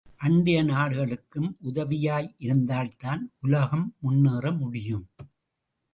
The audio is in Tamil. அண்டைய நாடுகளுக்கும் உதவியாய் இருந்தால்தான் உலகம் முன்னேற முடியும்.